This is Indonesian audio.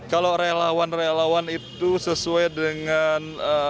kalau relawan relawan itu sesuai dengan